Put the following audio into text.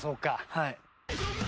はい。